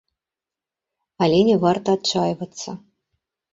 Але не варта адчайвацца.